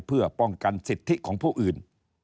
เพื่อป้องกันสิทธิของผู้อื่น